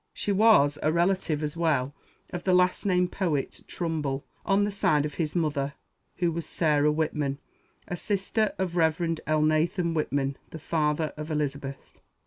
She was a relative as well of the last named poet, Trumbull, on the side of his mother, who was Sarah Whitman, a sister of Rev. Elnathan Whitman, the father of Elizabeth.